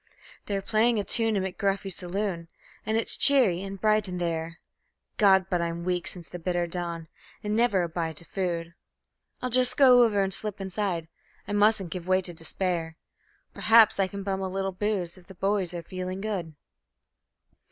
They're playing a tune in McGuffy's saloon, and it's cheery and bright in there (God! but I'm weak since the bitter dawn, and never a bite of food); I'll just go over and slip inside I mustn't give way to despair Perhaps I can bum a little booze if the boys are feeling good.